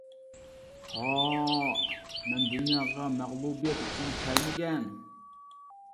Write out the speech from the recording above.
ھا مەن دۇنياغا مەغلۇبىيەت ئۈچۈن كەلمىگەن.